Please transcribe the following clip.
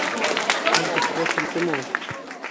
Между прочим, кем ул?